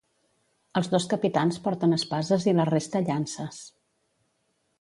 Els dos capitans porten espases i la resta llances.